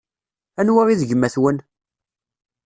Anwa i d gma-twen?